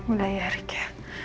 udah ya rick ya